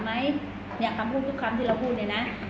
ไหมเนี่ยคำพูดทุกคำที่เราพูดเนี่ยนะ